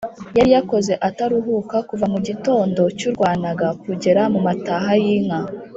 yari yakoze ataruhuka, kuva mu gitondo cy'urwanaga kugera mu mataha y'inka.